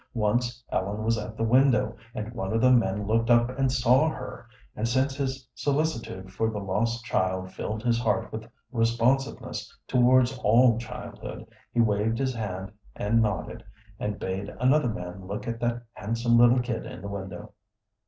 Once Ellen was at the window, and one of the men looked up and saw her, and since his solicitude for the lost child filled his heart with responsiveness towards all childhood, he waved his hand and nodded, and bade another man look at that handsome little kid in the window.